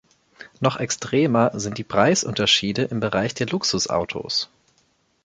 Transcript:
Noch extremer sind die Preisunterschiede im Bereich der Luxusautos.